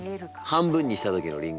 半分にした時のりんご。